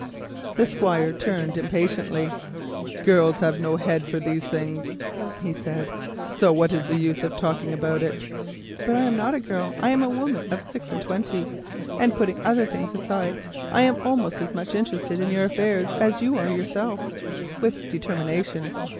The Squire turned impatiently. "Girls have no head for these things," he said, "so what is the use of talking about it?" "But I am not a girl; I am a woman of six and twenty; and putting other things aside, I am almost as much interested in your affairs as you are yourself," she said with determination.